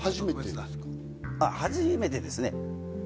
初めてですね。